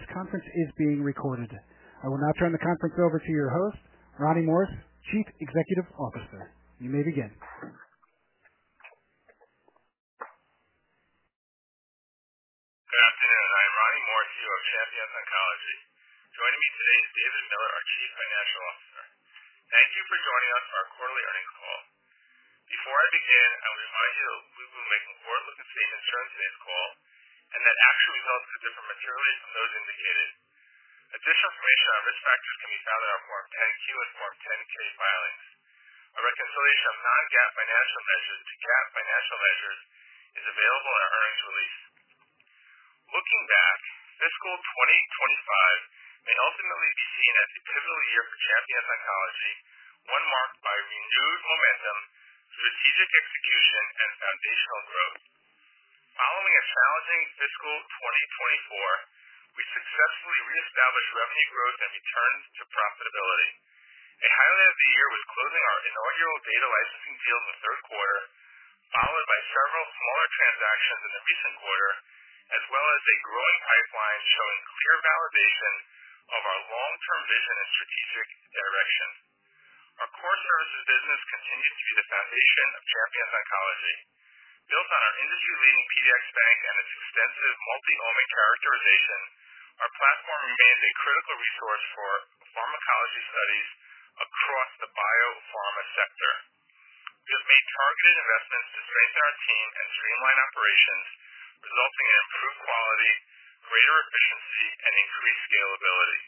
This conference is being recorded. I will now turn the conference over to your host, Ronnie Morris, Chief Executive Officer. You may begin. Good afternoon. I am Ronnie Morris, CEO of Champions Oncology. Joining me today is David Miller, our Chief Financial Officer. Thank you for joining us for our quarterly earnings call. Before I begin, I will remind you that we will be making forward-looking statements during today's call, and that actual results could differ materially from those indicated. Additional information on risk factors can be found in our Form 10-Q and Form 10-K filings. A reconciliation of non-GAAP financial measures to GAAP financial measures is available in our earnings release. Looking back, Fiscal 2025 may ultimately be seen as the pivotal year for Champions Oncology, one marked by renewed momentum, strategic execution, and foundational growth. Following a challenging Fiscal 2024, we successfully reestablished revenue growth and returned to profitability. A highlight of the year was closing our inaugural data licensing deals in the third quarter, followed by several smaller transactions in the recent quarter, as well as a growing pipeline showing clear validation of our long-term vision and strategic direction. Our core services business continues to be the foundation of Champions Oncology. Built on our industry-leading PDX Bank and its extensive multiomic characterization, our platform remains a critical resource for pharmacology studies across the biopharma sector. We have made targeted investments to strengthen our team and streamline operations, resulting in improved quality, greater efficiency, and increased scalability.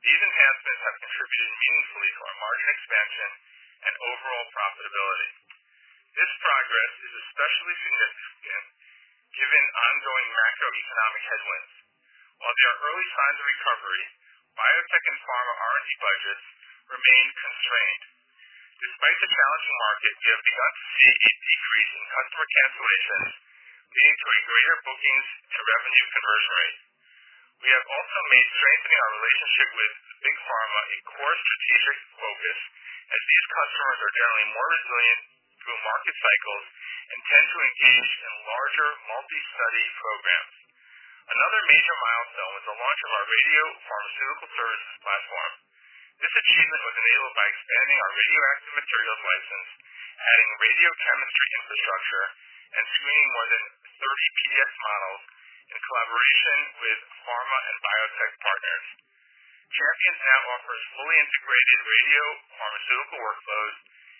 These enhancements have contributed meaningfully to our margin expansion and overall profitability. This progress is especially significant given ongoing macroeconomic headwinds. While there are early signs of recovery, biotech and pharma R&D budgets remain constrained. Despite the challenging market, we have begun to see a decrease in customer cancellations, leading to a greater bookings to revenue conversion rate. We have also made strengthening our relationship with Big Pharma a core strategic focus, as these customers are generally more resilient through market cycles and tend to engage in larger multi-study programs. Another major milestone was the launch of our radiopharmaceutical services platform. This achievement was enabled by expanding our radioactive materials license, adding radiochemistry infrastructure, and screening more than 30 PDX models in collaboration with pharma and biotech partners. Champions now offers fully integrated radiopharmaceutical workflows,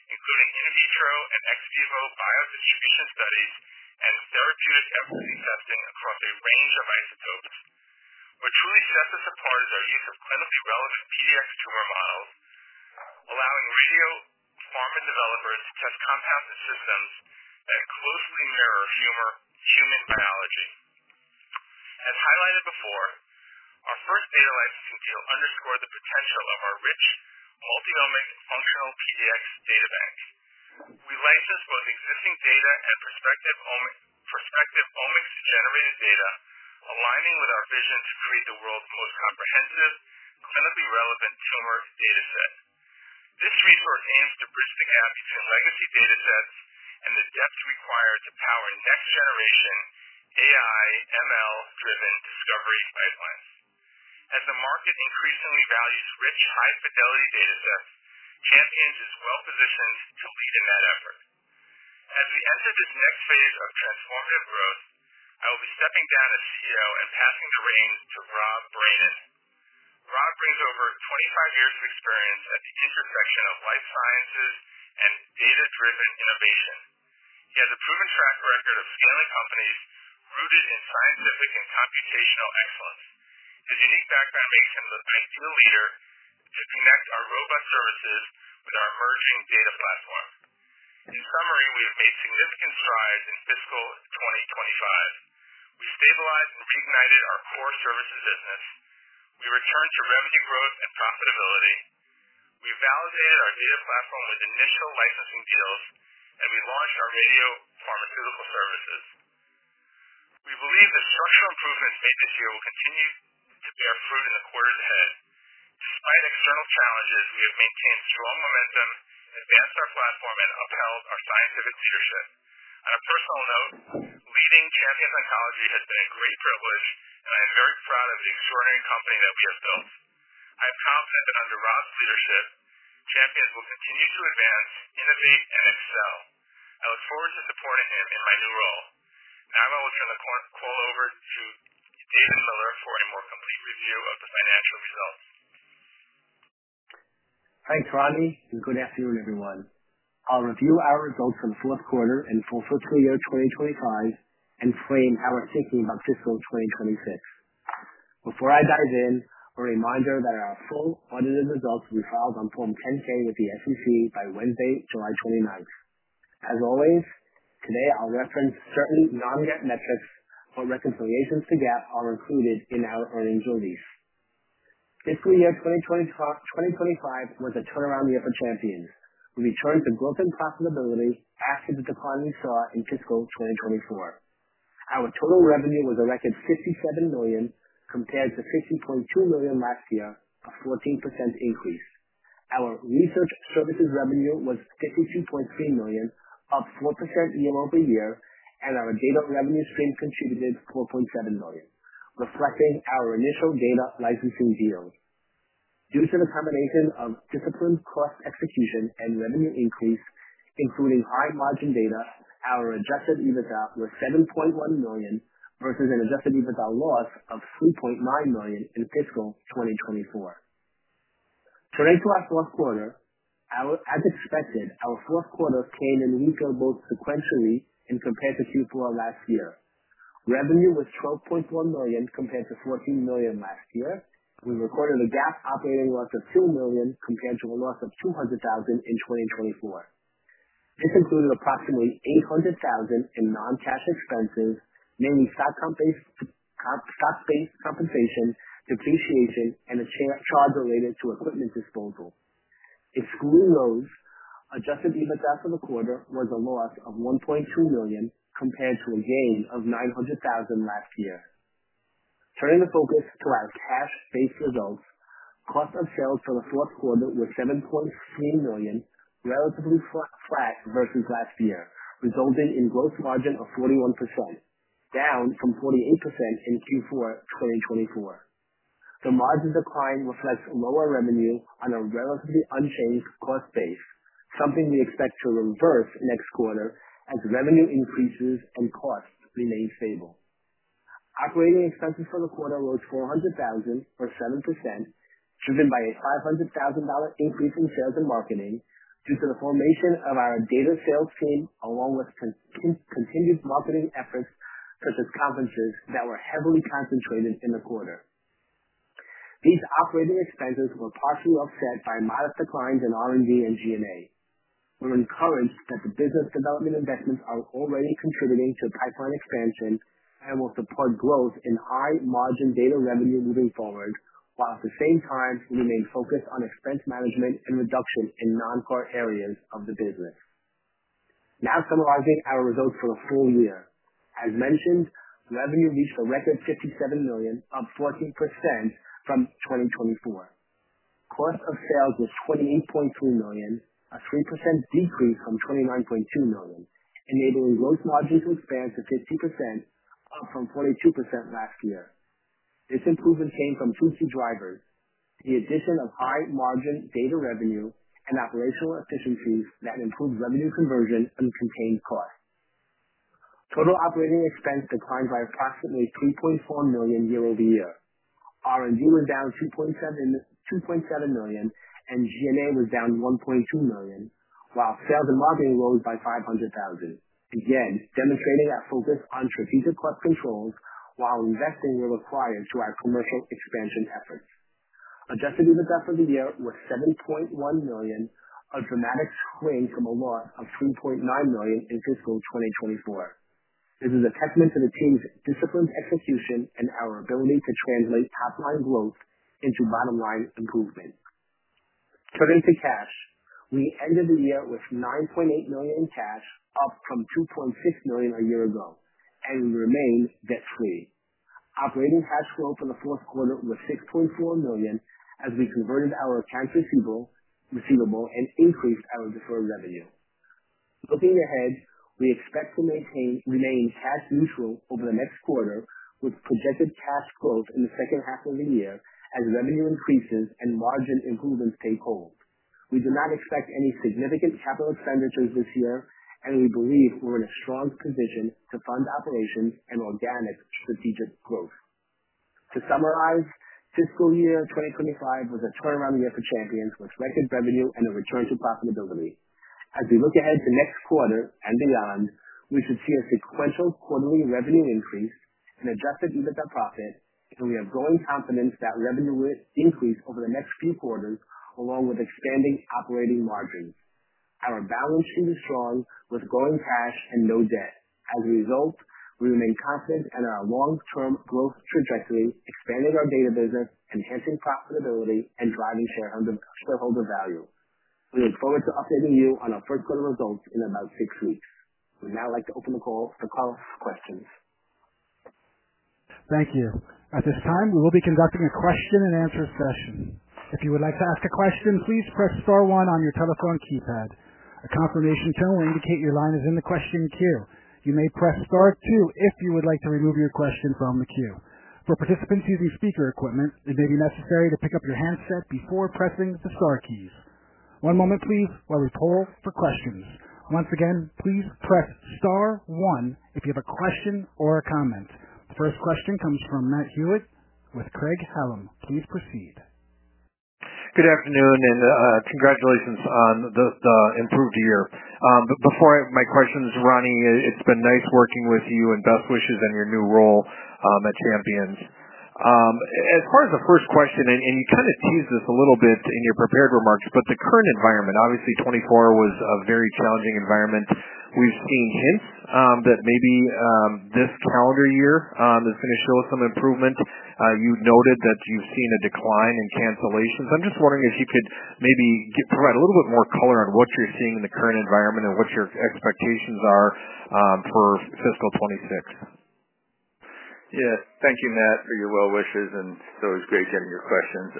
including in vitro and ex vivo biodistribution studies and serotonin amplification testing across a range of isotopes. What truly sets us apart is our use of clinically relevant PDX tumor models, allowing radiopharma developers to test compounds and systems that closely mirror human biology. As highlighted before, our first beta data licensing deal underscored the potential of our rich multiomic functional PDX Bank. We licensed both existing data and prospective omics-generated data, aligning with our vision to create the world's most comprehensive clinically relevant tumor dataset. This resource aims to bridge the gap between legacy datasets and the depths required to power next-generation AI/ML-driven discovery pipelines. As the market increasingly values rich, high-fidelity datasets, Champions is well-positioned to lead in that effort. As we enter the next phase of transformative growth, I will be stepping down as CEO and passing the reins to Rob Brandon. Rob brings over 25 years of experience at the intersection of life sciences and data-driven innovation. He has a proven track record of scaling companies rooted in scientific and computational excellence. His unique background makes him the point leader to connect our robust services with our emerging data platforms. In summary, we have made significant strides in Fiscal 2025. We stabilized and reignited our core services business. We returned to revenue growth and profitability. We validated our data platform with initial licensing deals, and we launched our radiopharmaceutical services platform. We believe that structural improvements made this year will continue to bear fruit in the quarters ahead. Despite external challenges, we have maintained strong momentum, advanced our platform, and upheld our scientific leadership. On a personal note, leading Champions Oncology has been a great privilege, and I am very proud of the extraordinary company that we have built. I am confident that under Rob's leadership, Champions Oncology will continue to advance, innovate, and excel. I look forward to supporting him in my new role. Now I will turn the call over to David Miller for a more complete review of the financial results. Thanks, Ronnie, and good afternoon, everyone. I'll review our results for the fourth quarter and for Fiscal Year 2025 and frame our thinking about Fiscal 2026. Before I dive in, a reminder that our full audited results will be filed on Form 10-K with the SEC by Wednesday, July 29. As always, today I'll reference certain non-GAAP metrics and reconciliations to GAAP are included in our earnings release. Fiscal Year 2025 was a turnaround year for Champions. We returned to growth and profitability after the decline we saw in Fiscal 2024. Our total revenue was a record $57 million compared to $50.2 million last year, a 14% increase. Our research services revenue was $52.3 million, up 4% year-over-year, and our data revenue streams contributed $4.7 million, reflecting our initial data licensing deal. Due to the combination of disciplined cost execution and revenue increase, including high margin data, our Adjusted EBITDA was $7.1 million versus an Adjusted EBITDA loss of $3.9 million in Fiscal 2024. Turning to our fourth quarter, as expected, our fourth quarter came in reasonable sequentially and compared to Q4 last year. Revenue was $12.4 million compared to $14 million last year. We recorded a GAAP operating loss of $2 million to a tangible loss of $200,000 in 2024. This included approximately $800,000 in non-cash expenses, namely stock-based compensation, depreciation, and a share charge related to equipment disposal. Excluding those, Adjusted EBITDA for the quarter was a loss of $1.2 million compared to a gain of $900,000 last year. Turning the focus to our cash-based results, cost of sales for the fourth quarter was $7.3 million, relatively flat versus last year, resulting in a gross margin of 41%, down from 48% in Q4 2024. The margin decline reflects lower revenue on a relatively unchanged cost base, something we expect to reverse next quarter as revenue increases and costs remain stable. Operating expenses for the quarter were $400,000, or 7%, driven by a $500,000 increase in sales and marketing due to the formation of our data sales team, along with continued marketing efforts such as conferences that were heavily concentrated in the quarter. These operating expenses were partially offset by modest declines in R&D and G&A. We're encouraged that the business development investments are already contributing to pipeline expansion and will support growth in high margin data revenue moving forward, while at the same time we remain focused on expense management and reduction in non-core areas of the business. Now summarizing our results for the full year. As mentioned, revenue reached a record $57 million, up 14% from 2024. Cost of sales was $28.2 million, a 3% decrease from $29.2 million, enabling gross margins to expand to 50%, up from 42% last year. This improvement came from two key drivers: the addition of high margin data revenue and operational efficiencies that improved revenue conversion and contained costs. Total operating expense declined by approximately $3.4 million year-over-year. R&D was down $2.7 million, and G&A was down $1.2 million, while sales and marketing rose by $500,000. Again, demonstrating that focus on strategic cost control while investing where required to our commercial expansion efforts. Adjusted EBITDA for the year was $70.1 million, a dramatic swing from a loss of $3.9 million in Fiscal 2024. This is a testament to the team's disciplined execution and our ability to translate top-line growth into bottom-line improvement. Turning to cash, we ended the year with $9.8 million in cash, up from $2.6 million a year ago, and we remained debt-free. Operating cash flow for the fourth quarter was $6.4 million as we converted our accounts receivable and increased our deferred revenue. Looking ahead, we expect to remain cash neutral over the next quarter, with projected cash flows in the second half of the year as revenue increases and margin improvements take hold. We do not expect any significant capital expenditures this year, and we believe we're in a strong position to fund operations and organic strategic growth. To summarize, Fiscal Year 2025 was a turnaround year for Champions with record revenue and a return to profitability. As we look ahead to next quarter and beyond, we should see a sequential quarterly revenue increase and Adjusted EBITDA profit, and we have growing confidence that revenue will increase over the next three quarters, along with expanding operating margins. Our balance sheet is strong, with growing cash and no debt. As a result, we remain confident in our long-term growth trajectory, expanding our data business, enhancing profitability, and driving shareholder value. We look forward to updating you on our third-quarter results in about six weeks. We'd now like to open the call for questions. Thank you. At this time, we will be conducting a question-and-answer session. If you would like to ask a question, please press star one on your telephone keypad. A confirmation tone will indicate your line is in the question queue. You may press star two if you would like to remove your question from the queue. For participants using speaker equipment, it may be necessary to pick up your handset before pressing the star keys. One moment, please, while we poll for questions. Once again, please press star one if you have a question or a comment. First question comes from Matthew Hewitt with Craig-Hallum. Please proceed. Good afternoon, and congratulations on this improved year. Before I have my questions, Ronnie, it's been nice working with you and best wishes in your new role at Champions. As far as the first question, you kind of used this a little bit in your prepared remarks, but the current environment, obviously, 2024 was a very challenging environment. We've seen that maybe this calendar year is going to show us some improvements. You noted that you've seen a decline in cancellations. I'm just wondering if you could maybe provide a little bit more color on what you're seeing in the current environment and what your expectations are for Fiscal 2026. Yes. Thank you, Matt, for your well wishes, and it's always great getting your questions.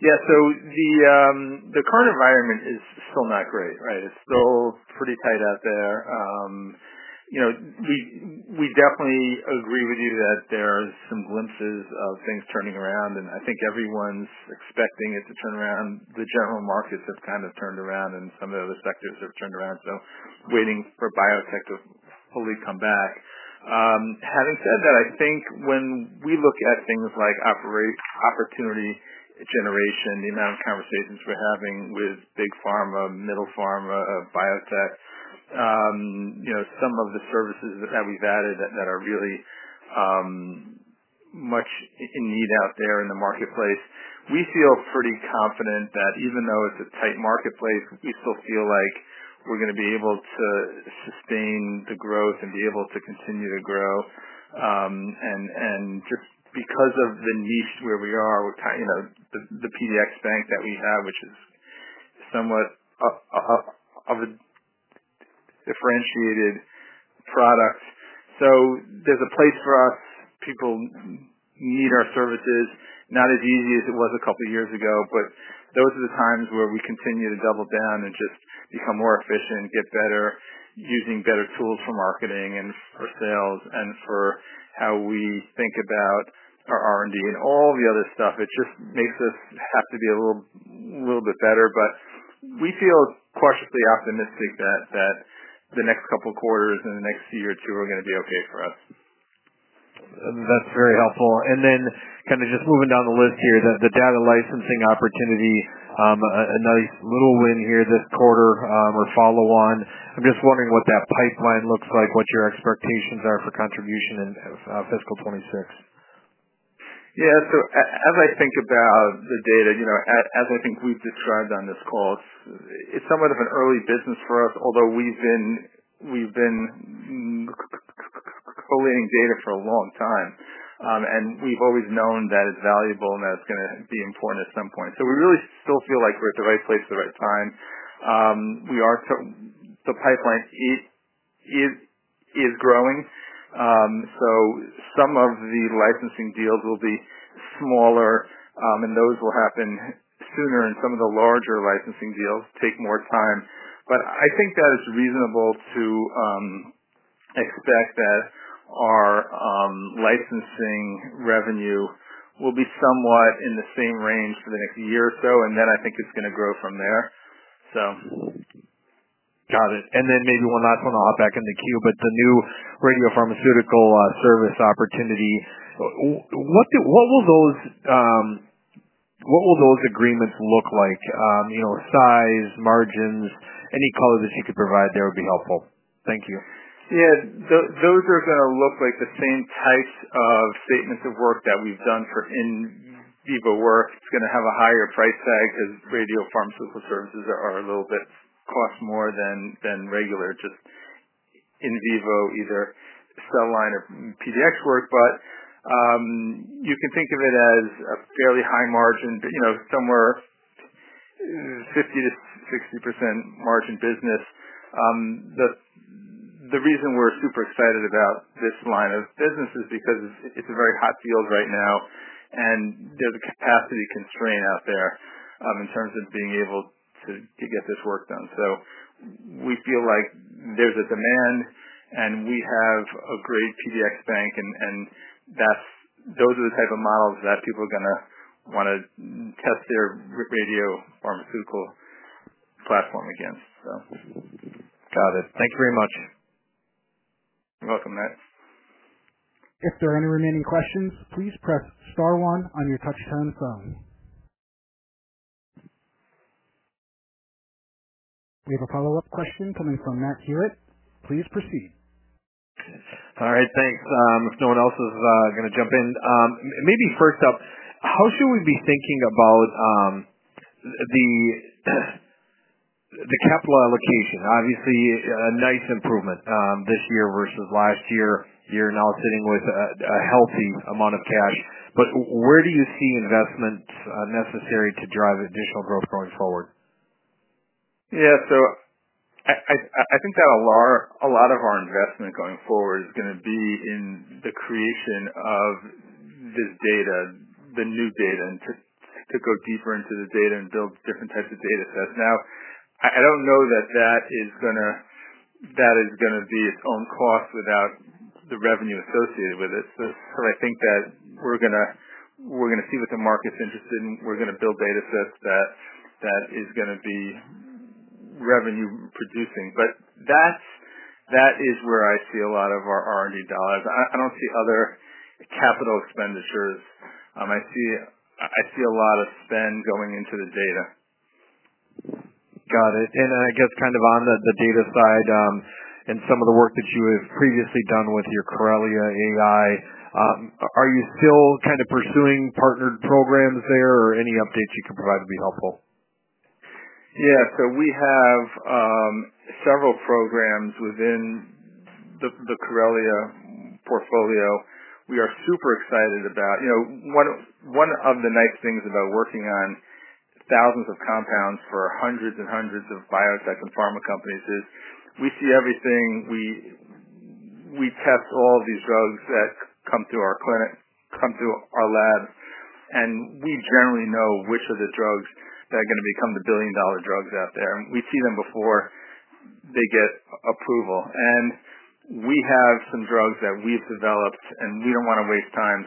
The current environment is still not great, right? It's still pretty tight out there. We definitely agree with you that there are some glimpses of things turning around, and I think everyone's expecting it to turn around. The general markets have kind of turned around, and some of the other sectors have turned around. We are waiting for biotech to fully come back. Having said that, I think when we look at things like opportunity generation, the amount of conversations we're having with big pharma, middle pharma, biotech, and some of the services that we've added that are really much in need out there in the marketplace, we feel pretty confident that even though it's a tight marketplace, we still feel like we're going to be able to sustain the growth and be able to continue to grow. Just because of the niche where we are, we're kind of, you know, the PDX Bank that we have, which is somewhat of a differentiated product. There's a place for us. People need our services. Not as easy as it was a couple of years ago, but those are the times where we continue to double down and just become more efficient and get better using better tools for marketing and for sales and for how we think about our R&D and all the other stuff. It just makes us have to be a little bit better, but we feel cautiously optimistic that the next couple of quarters and the next year or two are going to be okay for us. That's very helpful. Kind of just moving down the list here, the data licensing opportunity, another little win here this quarter or follow-on. I'm just wondering what that pipeline looks like, what your expectations are for contribution in Fiscal 2026. Yeah. As I think about the data, as I think we described on this call, it's somewhat of an early business for us, although we've been collating data for a long time. We've always known that it's valuable and that it's going to be important at some point. We really still feel like we're at the right place at the right time. The pipeline is growing. Some of the licensing deals will be smaller, and those will happen sooner, and some of the larger licensing deals take more time. I think that it's reasonable to expect that our licensing revenue will be somewhat in the same range for the next year or so, and then I think it's going to grow from there. Got it. Maybe one last one, I'll hop back in the queue, but the new radiopharmaceutical services platform opportunity, what will those agreements look like? You know, size, margins, any color that you could provide there would be helpful. Thank you. Yeah. Those are going to look like the same types of statements of work that we've done for in vivo work. It's going to have a higher price tag because radiopharmaceutical services cost more than regular just in vivo either cell line or PDX work. You can think of it as a fairly high margin, you know, somewhere 50% - 60% margin business. The reason we're super excited about this line of business is because it's a very hot field right now, and there's a capacity constraint out there in terms of being able to get this work done. We feel like there's a demand, and we have a great PDX Bank, and those are the type of models that people are going to want to test their radiopharmaceutical platform against. Got it. Thank you very much. You're welcome, Matt. If there are any remaining questions, please press star one on your touch-tone phone. We have a follow-up question coming from Matthew Hewitt. Please proceed. All right. Thanks. If no one else is going to jump in, it may be first up. How should we be thinking about the capital allocation? Obviously, a nice improvement this year versus last year. You're now sitting with a healthy amount of cash. Where do you see investment necessary to drive additional growth going forward? I think that a lot of our investment going forward is going to be in the creation of this data, the new data, and to go deeper into the data and build different types of datasets. I don't know that that is going to be its own cost without the revenue associated with it. I think that we're going to see what the market's interested in. We're going to build datasets that that is going to be revenue-producing. That is where I see a lot of our R&D dollars. I don't see other capital expenditures. I see a lot of spend going into the data. I guess kind of on the data side and some of the work that you have previously done with your Corellia AI, are you still kind of pursuing partner programs there or any updates you can provide would be helpful? Yeah. We have several programs within the Corellia portfolio we are super excited about. One of the nice things about working on thousands of compounds for hundreds and hundreds of biotech and pharma companies is we see everything. We test all of these drugs that come through our clinic, come through our labs, and we generally know which of the drugs that are going to become the billion-dollar drugs out there. We see them before they get approval. We have some drugs that we've developed, and we don't want to waste time.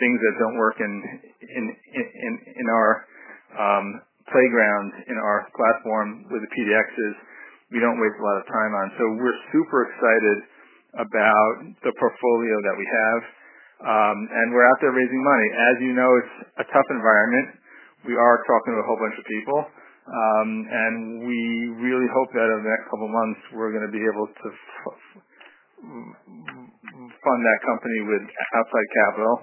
Things that don't work in our playground, in our platform with the PDXs, we don't waste a lot of time on. We're super excited about the portfolio that we have, and we're out there raising money. As you know, it's a tough environment. We are talking to a whole bunch of people, and we really hope that over the next couple of months we're going to be able to fund that company with outside capital.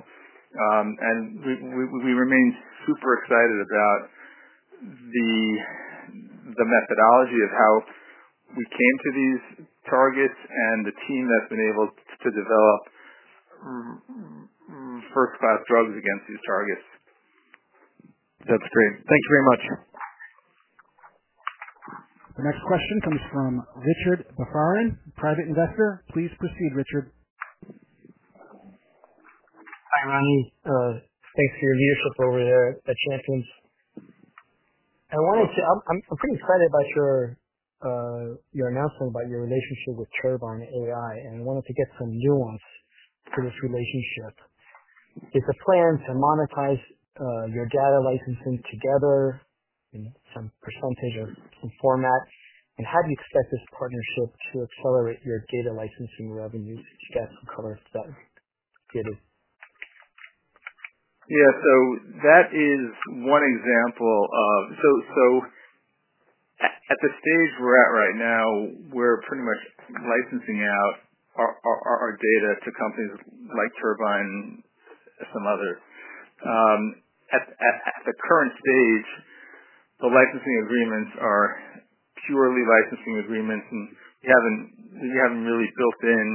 We remain super excited about the methodology of how we came to these targets and the team that's been able to develop first-in-class drugs against these targets. That's great. Thank you very much. Our next question comes from Richard Bafarin, private investor. Please proceed, Richard. Thanks for your leadership over here at Champions Oncology. I want to say I'm pretty excited about your announcement about your relationship with Corellia AI, and I wanted to get some nuance to this relationship. Is the plan to monetize your data licensing together in some percentage or format? How do you expect this partnership to accelerate your data licensing revenue? That's the color of the stuff. That is one example of, at the stage we're at right now, we're pretty much licensing out our data to companies like Turbine and some others. At the current stage, the licensing agreements are purely licensing agreements, and we haven't really built in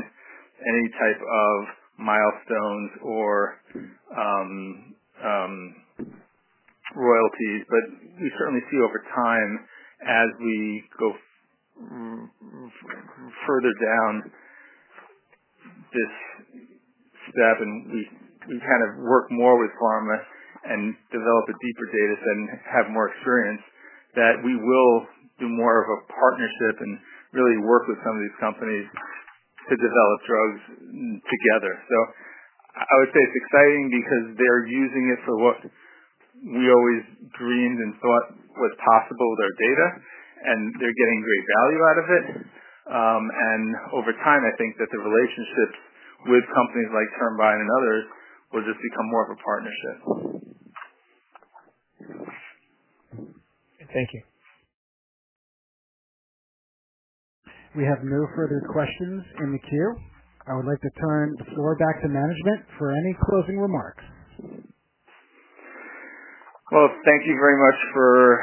any type of milestones or royalties. We certainly see over time as we go further down this step and we kind of work more with pharma and develop a deeper dataset and have more experience that we will do more of a partnership and really work with some of these companies to develop drugs together. I would say it's exciting because they're using it for what we always dreamed and thought was possible with our data, and they're getting great value out of it. Over time, I think that the relationships with companies like Turbine and others will just become more of a partnership. Thank you. We have no further questions in the queue. I would like to turn the floor back to management for any closing remarks. Thank you very much for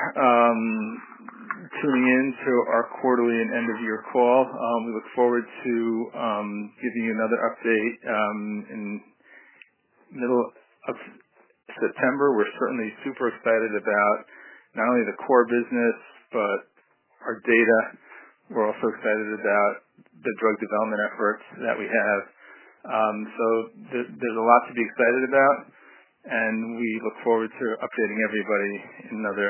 tuning in to our quarterly and end-of-year call. We look forward to giving you another update in the middle of September. We're certainly super excited about not only the core business but our data. We're also excited about the drug development efforts that we have. There is a lot to be excited about, and we look forward to updating everybody in another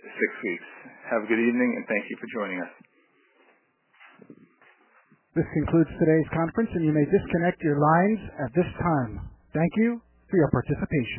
six weeks. Have a good evening, and thank you for joining us. This concludes today's conference, and you may disconnect your lines at this time. Thank you for your participation.